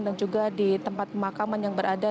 dan juga di tempat pemakaman yang berada